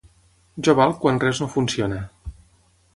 Jo valc quan res no funciona.